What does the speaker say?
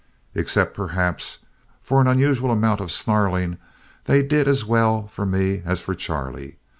"Except, perhaps, for an unusual amount of snarling, they did as well for me as for Charlie.